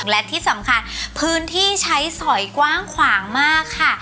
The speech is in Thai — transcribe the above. และที่สำคัญพื้นที่ใช้สอยกว้างขวางมากค่ะ